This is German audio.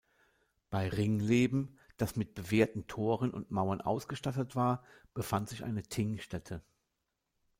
Bei Ringleben, das mit bewehrten Toren und Mauern ausgestattet war, befand sich eine Thingstätte.